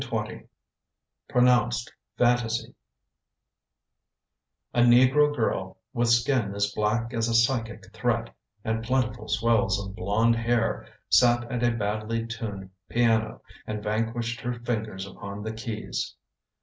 PRONOUNCED FANTASY A NEGRO girl with skin As black as a psychic threat, And plentiful swells of blonde hair, Sat at a badly tuned piano And vanquished her fingers upon the keys.